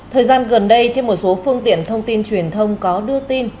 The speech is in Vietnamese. thời gian gần đây trên một số phương tiện thông tin truyền thông có đưa tin